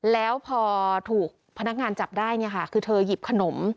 แล้วพอถูกพนักงานจับได้เนี่ยค่ะคือเธอหยิบขนม